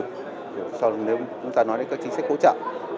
nếu chúng ta nói đến các chính sách hỗ trợ